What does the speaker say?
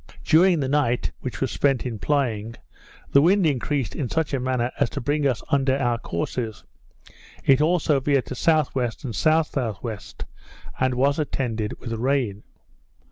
During the night (which was spent in plying) the wind increased in such a manner as to bring us under our courses; it also veered to S.W. and S.S.W., and was attended with rain.